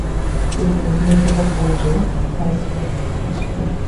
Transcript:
তিনি নদীয়া জেলা বোর্ডের ভাইস-চেয়ারম্যান পদে ছিলেন।